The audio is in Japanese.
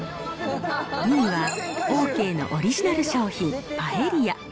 ２位は、オーケーのオリジナル商品、パエリア。